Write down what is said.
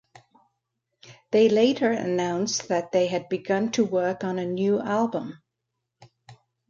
They later announced that they had begun to work on a new album.